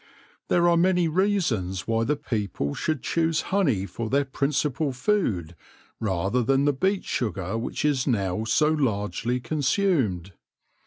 There are many reasons why the people should choose honey for their principal food rather than the beet sugar which is now so largely consumed.